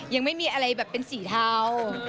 ยังไม่มีอะไรแบบเป็นสีเทา